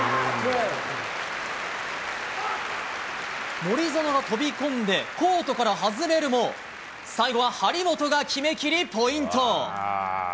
森薗が飛び込んで、コートから外れるも、最後は張本が決めきりポイント。